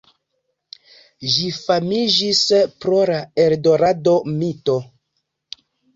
Ĝi famiĝis pro la Eldorado-mito.